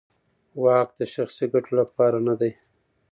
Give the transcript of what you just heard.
واک د شخصي ګټو لپاره نه دی.